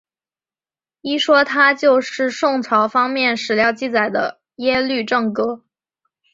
一说他就是宋朝方面史料记载的耶律郑哥。